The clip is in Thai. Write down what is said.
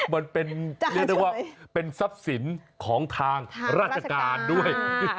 มันเป็นราชาศิษฐ์ของทางราชกาลด้วย